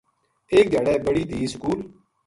ایک دھیاڑے بڑی دھی سکول